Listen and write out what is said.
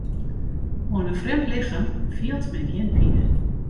Oan in frjemd lichem fielt men gjin pine.